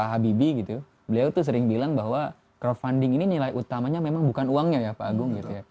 pak habibie gitu beliau tuh sering bilang bahwa crowdfunding ini nilai utamanya memang bukan uangnya ya pak agung gitu ya